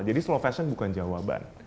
jadi slow fashion bukan jawaban